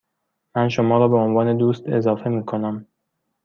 من شما را به عنوان دوست اضافه می کنم.